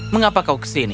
mengapa kau ke sini